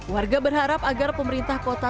warga berharap agar pemerintah kota